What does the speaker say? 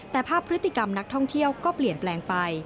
แต่ภาพพฤติกรรมนักท่องเที่ยวก็เปลี่ยนแปลงไป